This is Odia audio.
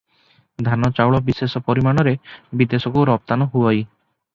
ଧାନ ଚାଉଳ ବିଶେଷ ପରିମାଣରେ ବିଦେଶକୁ ରପ୍ତାନୀ ହୁଅଇ ।